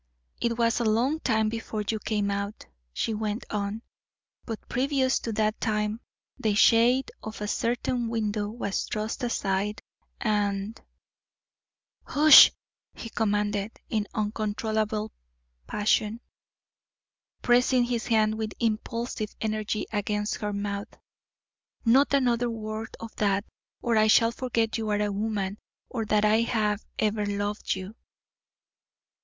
"It was a long time before you came out," she went on, "but previous to that time the shade of a certain window was thrust aside, and " "Hush!" he commanded, in uncontrollable passion, pressing his hand with impulsive energy against her mouth. "Not another word of that, or I shall forget you are a woman or that I have ever loved you."